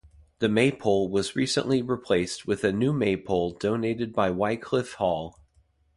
The maypole was recently replaced with a new maypole donated by Wycliffe Hall.